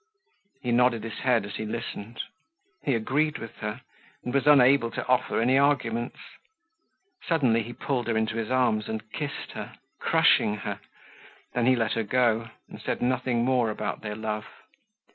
He nodded his head as he listened. He agreed with her and was unable to offer any arguments. Suddenly he pulled her into his arms and kissed her, crushing her. Then he let her go and said nothing more about their love.